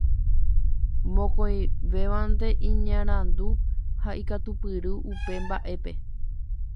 Mokõivévante iñarandu ha ikatupyry upe mbaʼépe.